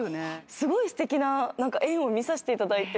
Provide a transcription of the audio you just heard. すごいすてきな縁を見させていただいて。